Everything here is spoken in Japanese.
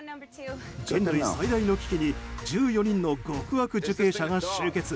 人類最大の危機に１４人の極悪受刑者が集結。